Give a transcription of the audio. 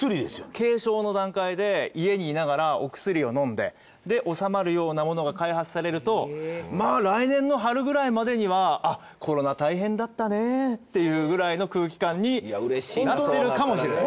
軽症の段階で家にいながらお薬を飲んでで収まるようなものが開発されるとまあ来年の春くらいまでにはあっコロナ大変だったねっていうくらいの空気感になってるかもしれない。